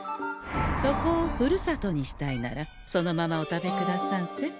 そこをふるさとにしたいならそのままお食べくださんせ。